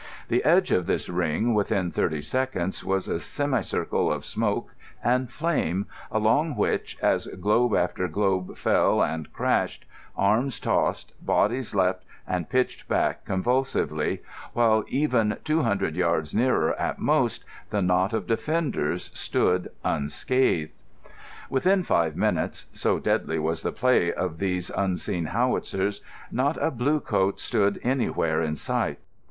The edge of this ring within thirty seconds was a semicircle of smoke and flame along which, as globe after globe fell and crashed, arms tossed, bodies leapt and pitched back convulsively; while even two hundred yards nearer at most, the knot of defenders stood unscathed. Within five minutes—so deadly was the play of these unseen howitzers—not a blue coat stood anywhere in sight.